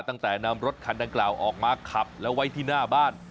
ตั้งแต่นำรถคันดังกล่าวออกมาขับแล้วไว้ที่หน้าบ้าน